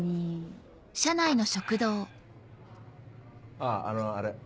あぁあのあれ。